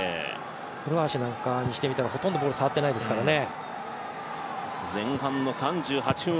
古橋なんかにしたら、ほとんどボールに触ってないですからね。